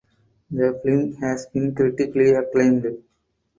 The film has been critically acclaimed.